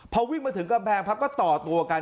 พอวิ่งมาถึงกำแพงปั๊บก็ต่อตัวกัน